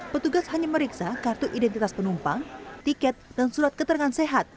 petugas hanya meriksa kartu identitas penumpang tiket dan surat keterangan sehat